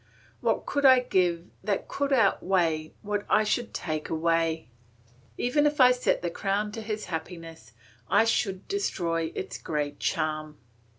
What could I give that could outweigh what I should take away? Even if I set the crown to his happiness I should destroy its greatest charm.